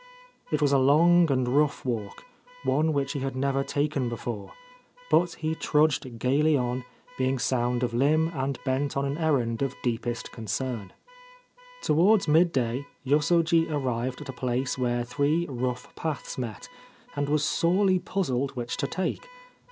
It was a long and rough walk, one which he had never taken before; but he trudged gaily on, being sound of limb and bent on an errand of deepest concern. Towards midday Yosoji arrived at a place where three rough paths met, and was sorely puzzled which to take.